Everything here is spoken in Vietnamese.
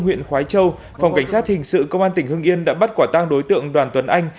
huyện khói châu phòng cảnh sát hình sự công an tỉnh hưng yên đã bắt quả tang đối tượng đoàn tuấn anh